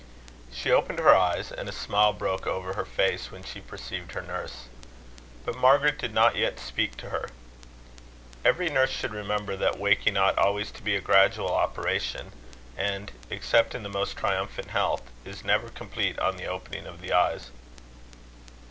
She opened her eyes, and a smile broke over her face when she perceived her nurse. But Margaret did not yet speak to her. Every nurse should remember that waking ought always to be a gradual operation; and, except in the most triumphant health, is never complete on the opening of the eyes.